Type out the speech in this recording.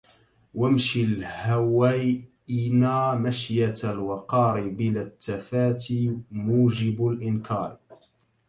وامش الهُوَيْنا مشية الوَقَارِ بلا التفات موجب الإنكارِ